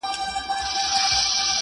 چي د ښـكلا خبري پټي ساتي ـ